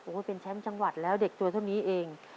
โอ้โหเป็นแชมป์จังหวัดแล้วเด็กตัวเท่านี้เอง